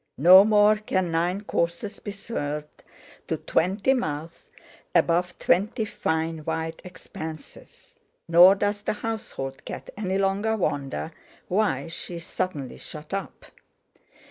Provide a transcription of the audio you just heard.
no more can nine courses be served to twenty mouths above twenty fine white expanses; nor does the household cat any longer wonder why she is suddenly shut up.